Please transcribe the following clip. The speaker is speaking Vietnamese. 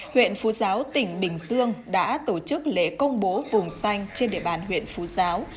huyện phú giáo tỉnh bình dương đã tổ chức lễ công bố vùng xanh trên địa bàn huyện phú giáo